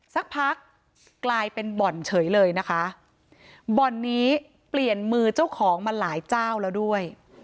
สักพักกลายเป็นบ่อนเฉยเลยนะคะบ่อนนี้เปลี่ยนมือเจ้าของมาหลายเจ้าแล้วด้วย